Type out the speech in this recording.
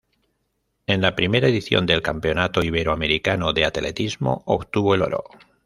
En la primera edición del Campeonato Iberoamericano de Atletismo obtuvo el oro.